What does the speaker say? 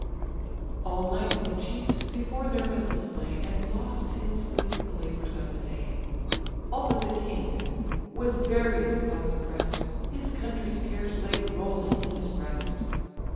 All night the chiefs before their vessels lay, And lost in sleep the labours of the day: All but the king: with various thoughts oppress'd, His country's cares lay rolling in his breast.